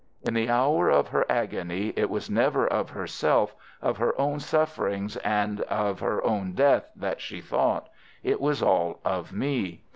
In the hour of her agony it was never of herself, of her own sufferings and her own death that she thought. It was all of me.